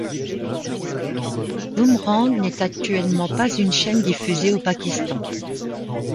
Boomerang n'est actuellement pas une chaîne diffusée au Pakistan.